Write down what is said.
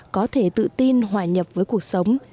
có thể tự tin hòa nhập với cuộc sống